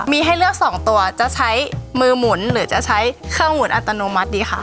มีให้เลือก๒ตัวจะใช้มือหมุนหรือจะใช้เครื่องหมุนอัตโนมัติดีค่ะ